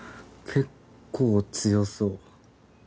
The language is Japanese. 結構強そう。